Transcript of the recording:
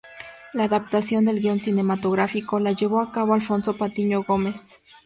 La adaptación del guion cinematográfico la llevó a cabo Alfonso Patiño Gómez.